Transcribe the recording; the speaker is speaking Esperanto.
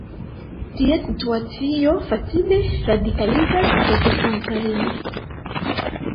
Tia situacio facile radikaligas protestantojn.